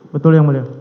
betul yang mulia